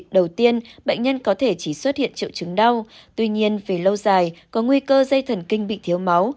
đầu tiên bệnh nhân có thể chỉ xuất hiện triệu chứng đau tuy nhiên vì lâu dài có nguy cơ dây thần kinh bị thiếu máu